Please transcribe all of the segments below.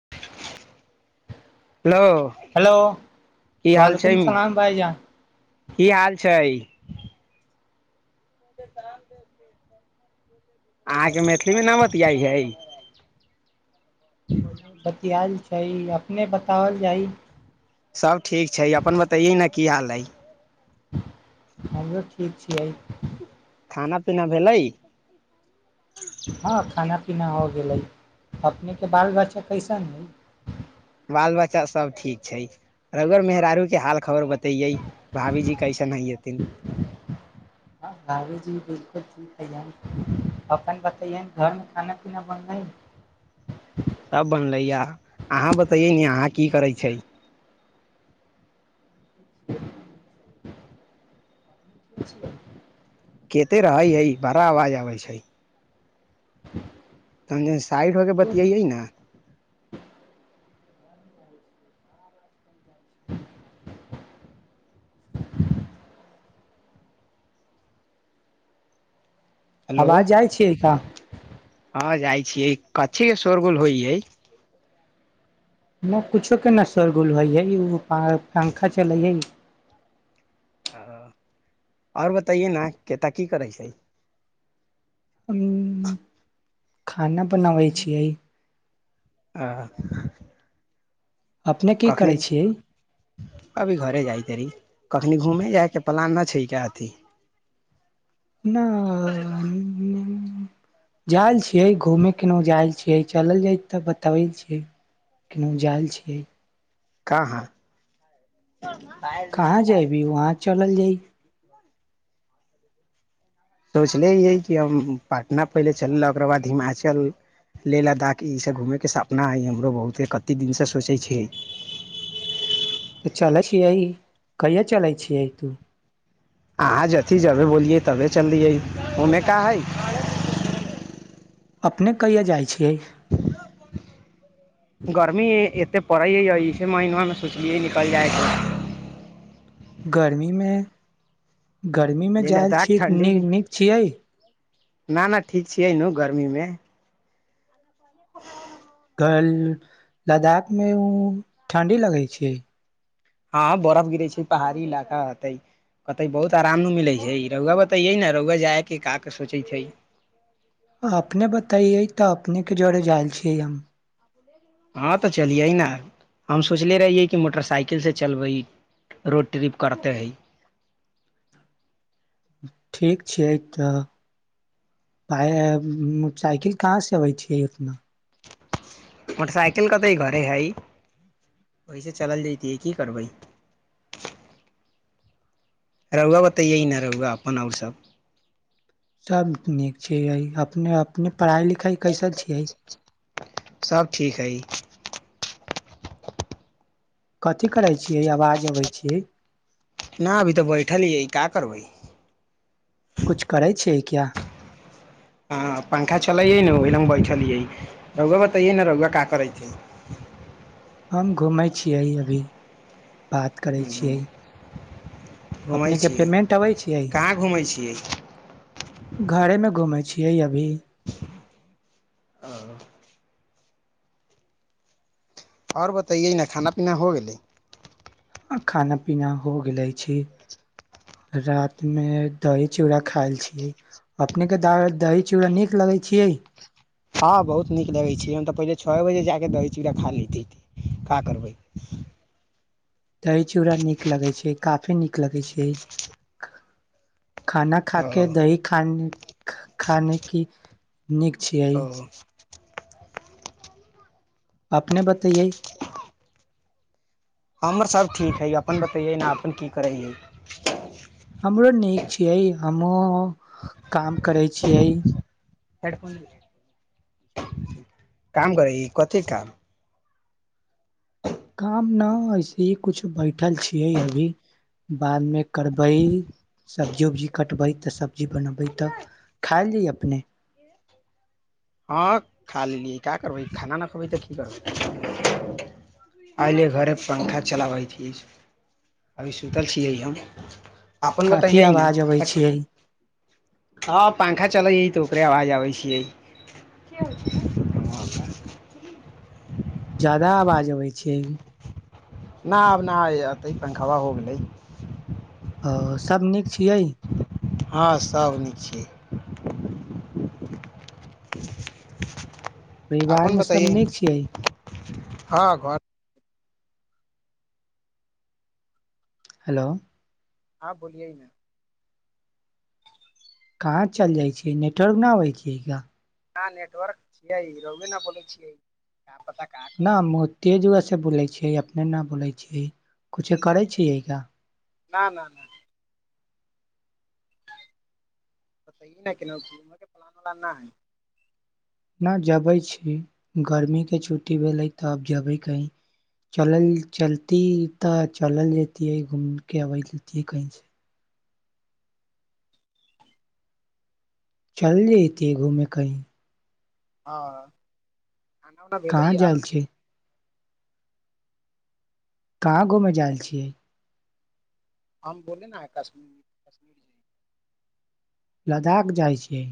[unintelligible] hello hello की हाल छै वालेकुम सलाम भाईजान की हाल छै ओ ताम हो अहाँके मैथिलीमे न बतियाइ हइ बतआल त अपने बताओल जाइ सभ ठीक छै अपन बतैयै ने की हाल हइ हमरो ठीक छियै खाना पीना भेलै हँ खाना केना हो गेलै अपनेके बाल बच्चा कैसन हइ बाल बच्चा सब ठीक छै रगर मेहराारू के हाल खबर बता तऽ य भाबीजी कैसा नहिथि हँ भाभीजी बिलकुल ठीक हइय अपन बतैय घरमे खाना पीना बनलै सभ बनलैए अहाँ बतैयै ने अहाँ की करै छै ब केते रहै हइ बरा अवाज आबै छै समझ साठि होके बतियैै ने हेलो आबाज जाइ छियैा ह जाइ छीियै कचछी के शोर गुल होइ यै नहि किछोक के न शोरगुल होइ हइ ओ प पंखा चलै हइ ओ आओर बताइए ने केता की करै छै खाना बनाबै छियै ह अपने की करै छियै अभी घरे जायइते रही कखनी घूमे जायके प्लान न छै क अथी न जाल छै कि घूमै केनहु जाइत छी कि चलल जाइत तऽ बतबै छियै केन जायल छियै कह कहाँ जायभी वहाँ चलल जाइ ह सोचलेियै कि हम पटना पहिले चललै ओककर बाद हिमाचल लेह लद्दाख ईसभ घूमयके सपना हइ हमरो बहुते कतेक दिनसँ सोचै छियै तऽ चल छ आइ कहिा चलाै छीिय आइ तू अहाँ जथ जबे बोलियै तबे चललियै ओमे का हइ अपने कहिय जाइ छियै गर्मी एतेक पड़ै इसे महनामे सोचलियै निकल जाइ छै गर्मीमे गर्मीमे लेह जायल लद्दाख छीिय ठंडी नीक छियै न ना ठीक छियै ने गर्मीमे [unintelligible] लद्दाख मे उ ठणडी लगै छै हँ बरफ गिरै छै पहाड़ी इलाका हतै कहतै बहुत आराम नहि मिलै छै रौआ बतैयै ने रौआ जायके क कऽ सोचै छै अपने बतैयै तऽ अपनेके जरे जायल छियै हम हँ तऽ चलियै ने हम सोचले रहियै कि मोटरसाइकिलसँ चलबै रोड ट्रिप करते है ठीक छैिय तऽ साइकिल कहाँ से अबै छै अपना मोटरसाइकिल कतऽ घरे हइ वहिसे चलल जैतियै की करबै रौहुआ बतै यह ने रहुआ अपन आओर सभ सब नीक छैइ अपने अपने पढ़ाइ लिखाइ कैसे छियै सब ठीक है कथिी करै छियै आवाज अबै छियै न अभी तऽ बैठल हिये का करबै कछु करै छियै क्या हँ पंखा चलैयै ने ओहिी लग बैठलियै रौआ बतैयै ने रहुआ का करै छै हम घूमै छियै अभी बात करै छियै घूमै अपने के छियै पेमेंट अबै छियै कहाँ घूमै छियै घरे मे घुमे छी यी अभी आ आओर ब बतयै न खाना पीना हो गेलै खाना पीना हो गलै छी रात मे दही चूड़ा खायल छियै अपने के द दही चूड़ा नीक लगै छियै हँ बहुत नीक लगै छै हम तऽ पहिले छ ए बजे जा कऽ दही चूड़ा खा लिती का करबै दही चूड़ा नीक लगै छै काफी नीक लगै छै खाना खा ओ के दही खान ख खाने की नीक छियै ओ अपने बतैयै हमर सभ ठीक हइ अपन बतैयै न अपन की करैय हिये हमरो नीक छियै हमहु काम करै छियै हेडफोन [unintelligible] काम करै ही कथी काम काम न ऐसे ही कछु बैठल छियै अभी बादमे करबै सब्जी उब्जी कटबै तऽ सब्जी बनबै तऽ खाइल जाइ अपने हँ खा लेलियै का करबै खाना न खबै तऽ की करबै अयले घरे पंखा चलाबै छी अभी सुतल छियै हम अपन काफी बतैयै ने आवाज अबै छियै हँ पं खा चलै तऽ ओकरे आवाज आबै छियै ज्यादा आवाज अबै छै अभि ना आब ना अते पंखावा हो गलै ओ सब नीक छियै हँ सभ नीक छै [unintelligible] अपन परिवारमे सभ बतैयै ने निक छियै हँ घर हेलो हँ बोलियै न कहाँ चल जाइ छियै नेटवर्क न अबै छियै का ना नेटवर्क छियै रौए न बोलै छियै का पता का ना करै मो तेज वस [unintelligible] बोलै छियै अपने ना बोलै छियै कुछो करै छियै का न न नहि तती ने कि नके फलान उलाना है न जबै छी गर्मी के छुट्टी भेलै तऽ अब जेबै कही चलल चलती तऽ चलल जतिियै घूम के अबैततिियै कहीसँ चल जेति घूमे कइ अ कहाँ जाल छै कहाँ घूमय जायल छियै हम बोले न है कश्मी कश्मीर लद्दाख जाइ छिय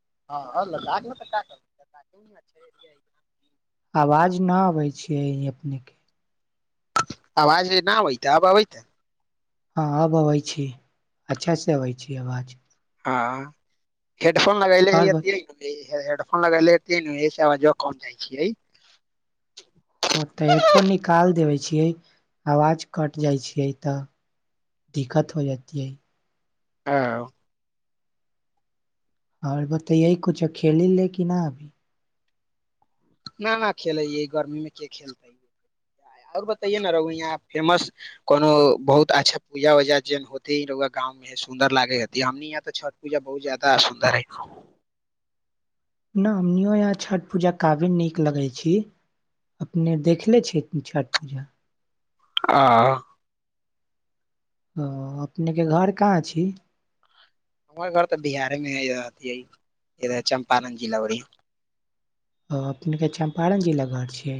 हँ तऽ क कर आवाज नहि अबै छैियै यही अपनेके आ आाज न होै तऽ आबबै त हँ अब अबै छी अच्छास से अबै छी आवाज हँ हेडफ फोन लगा ले आओर हेै हेडफोन लग ले ज कोन जाइ छ ओ तऽ हेडफोन निकालि देबै छियै आवाज कटि जाइ छियै तऽ दिक्कत हो जतियै आ आओर बताऽ यह कुछो खेली ले कि न अभी न ना खेलै गर्मीमे के खेलतै आओर बतैए ने रहु यहाँ फेमस कोनो बहुत अच्छा पूजा उजा जेन होतेु गाँवमे सुन्दर लागे ह हमनी यहाँ तऽ छठ पूजा बहुत जादा सुन्दर है न हमनिो यहाँ छठि पूजा काबिल नीक लगै छी अपने देखले छी छठि पूजा आ हँ अपनेके घर कहाँ छी हमर घर तऽ बिहारेमे अथिै इध चं्पारण जिला उ रही ओ अपनेके चम्पारण जिलिला घर छियै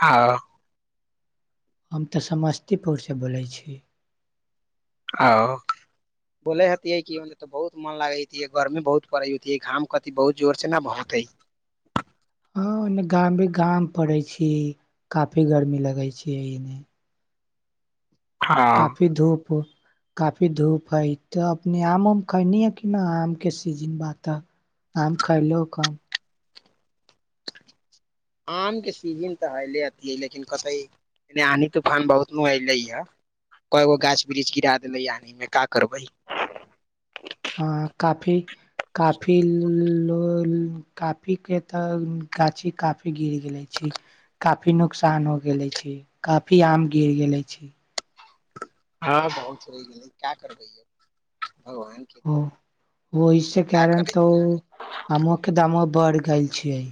हँ हम तऽ समस्तीपुरसँ बोलै छी आ बोलै हतिियै कि तऽ बहुत मोन लागै हतिियै गर्मी बहुत पड़ै होतिियै घाम कथ बहुत जोरसँ ने बहुतै हँ ओन्ने गाम भी गाम पड़ै छी काफी गर्मी लगै छी एने हँ काफी धूप हो काफी धूप हइ तऽ अपने आम उम खयल है कि नहि आमके सीजन बात तऽ आम खयलहु कम आम के सीजन तऽ हले अथ ह लेकिन क आी तूफान बहुत न एऐलै ह क गो गाछ वृक्ष गिरा देलै आीमे का करबै हँ काफी काफी काफी के तऽ गाछी काफी गिर गेले छै काफी नुकसान हो गेले छै काफी आम गिर गेले छी हँ बहुत हो गेल क्या करबै भगवान के ओ ओहिस हम का कण करै तऽ आके द बढ़ गेल छियै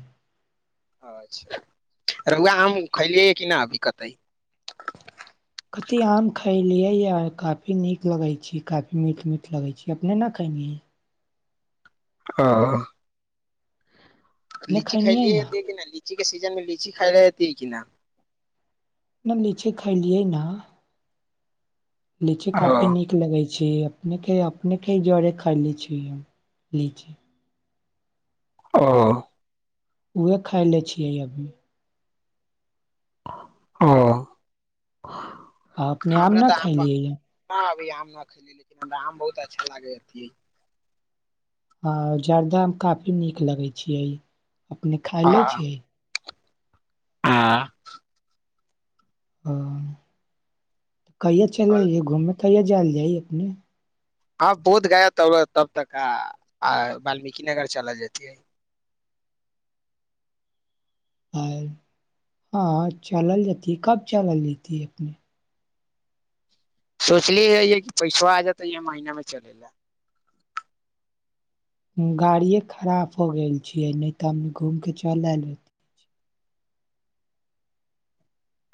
अ्छा रौआ आम खलियै कि नहि अभी कतै कथी आम खैलियै यऽ काफी नीक लगै छै काफी मीट मीट लगैत छै अपने न खलियै य आ अपने लीची खैलियै खइलिय न द कि ने ल लीची के सीजन मे लीची खााय रहती है कि न न लीची खाइलियै न लीची ओ काफी नीक लगे छै अपने अपने के जरे खले छी ल ह उह खाए लै छियै अभी ह आ अपने आम न खा लियै या ना अभी आम न खली लेकिन हमरा आम बहुत अच्छा लागे हँ जर्दामे काफी नीक लगै छियै अपने खाए लै छियै आ ओ कहिया चले हय घूमे कहिया जाल जाइ अपने हँ बहुत गया तब तब तक वाल्मीकीिनगर चला जेती है हँ चलल रहती कब चलल जेतीै अपने सोचलीै य कि पैसो आ जातै य महीना मे चल ल गाड़िए खराब हो गेल छियै नहि तऽ हम घूमि कऽ चल आयल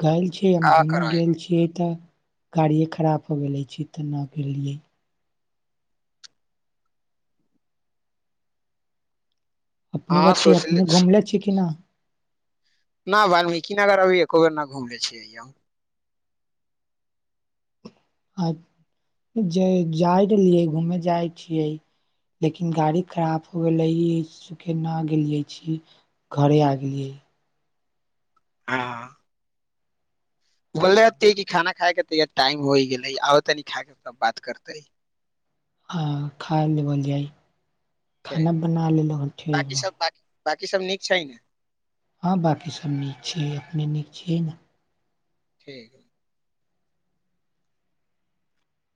गेलायल छीियै हम का घूमे करबै गेल छियै तऽ गाड़िए खराब हो गेलै छी तऽ नहि गेलियै अपने हँ बात हे सोचले अपने घुमले छीिय कि न न वाल्मीकी नगर अभी एको बेर न घुमले छीियै अ आ जाइत रहलियै घूमय जाइत छियै लेकिन गाड़ी खराब हो गेलै सुखे न गेलियै छी घरे आ गेलियै हँ बोललेते कि खाना खाायके तैय टाइम होय गेलै आब तनी खाके तब बात करतै हँ खान ल पल अइ ठीक खाना बना लेलो ठ ब बकी सब नीक छै ने हँ बाँकी सभ नीक छैिय अपने नीक छियै ने ठीक